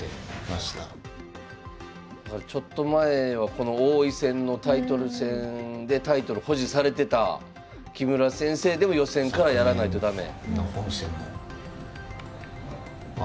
ちょっと前はこの王位戦のタイトル戦でタイトル保持されてた木村先生でも予選からやらないと駄目。